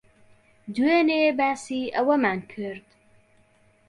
دوێنێ باسی ئەوەمان کرد.